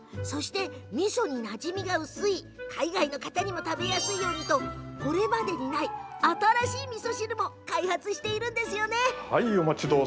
みそになじみが薄い海外の方にも食べやすいようにとこれまでにない新しいみそ汁にも開発しています。